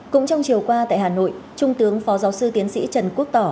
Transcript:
cũng trong chiều qua tại hà nội trung tướng phó giáo sư tiến sĩ trần quốc tỏ